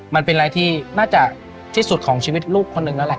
มันเป็นอะไรที่น่าจะที่สุดของชีวิตลูกคนหนึ่งแล้วแหละ